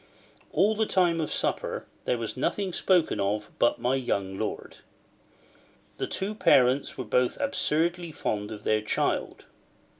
All the time of supper, there was nothing spoken of but my young lord. The two parents were both absurdly fond of their child.